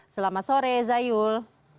selamat sore zayul